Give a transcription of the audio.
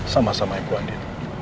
sama sama ibu andi